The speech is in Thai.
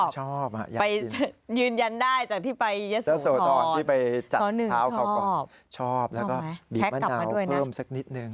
ชอบไปยืนยันได้จากที่ไปเยษฐานข้อ๑ชอบชอบแล้วก็บีบมะนาวเพิ่มสักนิดนึง